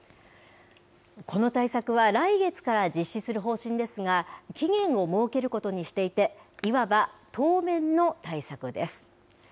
この対策は来月から実施する方針ですが、期限を設けることにしていて、いわば当面の対策です。